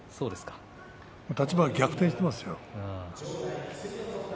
立場は逆転していますよ。